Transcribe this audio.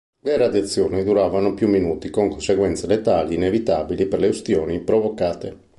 Le radiazioni duravano più minuti con conseguenze letali inevitabili per le ustioni provocate.